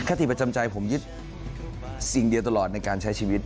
คติประจำใจผมยึดสิ่งเดียวตลอดในการใช้ชีวิต